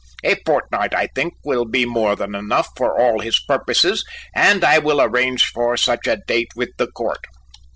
A fortnight, I think, will be more than enough for all his purposes and I will arrange for such date with the court."